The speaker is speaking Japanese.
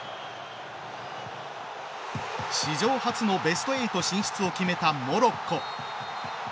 史上初のベスト８進出を決めたモロッコ。